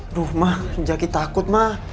aduh ma jaki takut ma